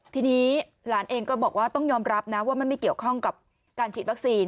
ทีนี้หลานเองก็บอกว่าต้องยอมรับนะว่ามันไม่เกี่ยวข้องกับการฉีดวัคซีน